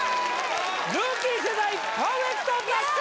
ルーキー世代パーフェクト達成！